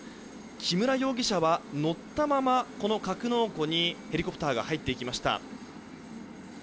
木村容疑者は乗ったままこの格納庫にヘリコプターが入っていきました。